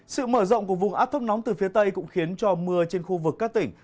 sự mở rộng của vùng áp thấp nóng từ phía tây cũng khiến cho mưa trên khu vực các tỉnh